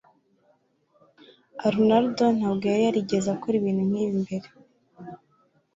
Arnaud ntabwo yari yarigeze akora ibintu nkibyo mbere.